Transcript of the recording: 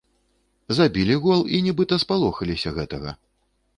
Забілі гол, і нібыта спалохаліся гэтага.